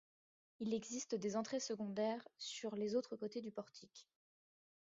Il existe des entrées secondaires sur les autres côtés du portique.